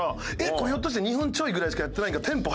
これひょっとして２分ちょいぐらいしかやってないんかな。